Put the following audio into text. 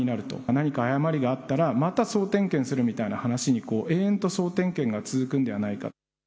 何か誤りがあったらまた総点検するみたいな話に、延々と総点検が続くのではないか。